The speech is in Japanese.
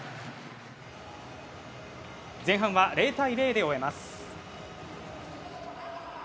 前半は０対０で終えます。